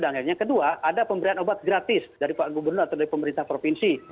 dan yang kedua ada pemberian obat gratis dari pak gubernur atau dari pemerintah provinsi